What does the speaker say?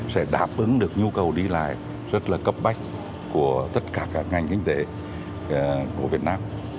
sẽ đáp ứng được nhu cầu đi lại rất là cấp bách của tất cả các ngành kinh tế của việt nam